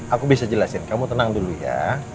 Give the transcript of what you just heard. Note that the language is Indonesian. aku bisa jelasin kamu tenang dulu ya